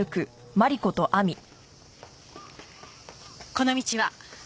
この道は？